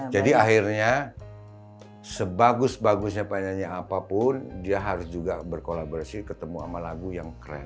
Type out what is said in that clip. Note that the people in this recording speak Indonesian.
jadi akhirnya sebagus bagusnya penyanyi apapun dia harus juga berkolaborasi ketemu sama lagu yang keren